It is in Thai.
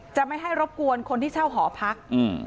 จะไม่ให้รบกวนคนที่เช่าหอพัก